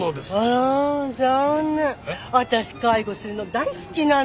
あら残念私介護するの大好きなの。